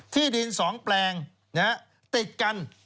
ที่ดิน๒แปลงติดกัน